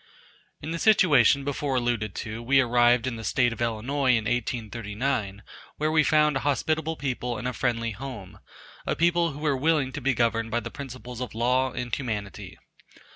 In the situation before alluded to we arrived in the state of Illinois in 1839, where we found a hospitable people and a friendly home; a people who were willing to be governed by the principles of law and humanity.